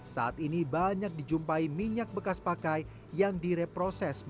saat ini banyak dijumpai minyak bekas goreng yang berkualitas